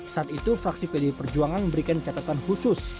saat itu fraksi pdi perjuangan memberikan catatan khusus